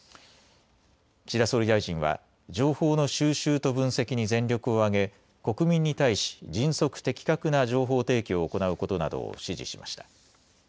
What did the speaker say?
岸田総理大臣は情報の収集と分析に全力を挙げ国民に対し迅速、的確な情報提供を行うことなどを指示しました。